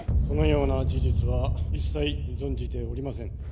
そのような事実は一切存じておりません。